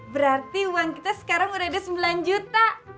berarti uang kita sekarang udah ada rp sembilan